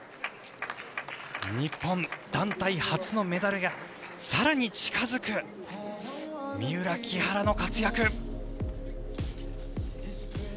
日本、団体初のメダルが更に近付く三浦・木原の活躍。